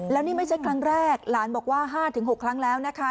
แล้วนี่ไม่ใช่ครั้งแรกหลานบอกว่า๕๖ครั้งแล้วนะคะ